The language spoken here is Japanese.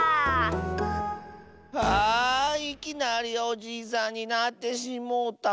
ああいきなりおじいさんになってしもうた。